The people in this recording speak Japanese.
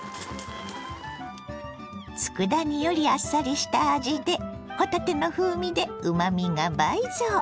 つくだ煮よりあっさりした味で帆立ての風味でうまみが倍増！